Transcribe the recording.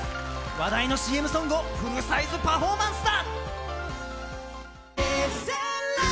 話題のＣＭソングをフルサイズパフォーマンスだ！